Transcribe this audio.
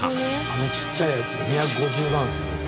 あのちっちゃいやつ２５０万するんや。